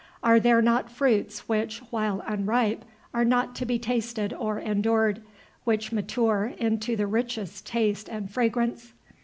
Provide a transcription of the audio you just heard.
Are there not fruits, which, while unripe, are not to be tasted or endured, which mature into the richest taste and fragrance?